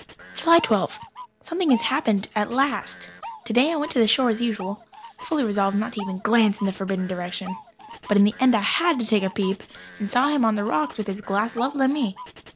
July Twelfth. Something has happened at last. Today I went to the shore as usual, fully resolved not even to glance in the forbidden direction. But in the end I had to take a peep, and saw him on the rocks with his glass levelled at me.